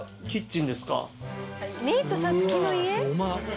メイとサツキの家？